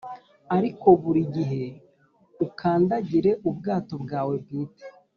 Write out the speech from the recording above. ariko burigihe ukandagire ubwato bwawe bwite